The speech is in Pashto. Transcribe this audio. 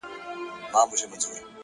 انسانه واه واه نو _ قتل و قتال دي وکړ _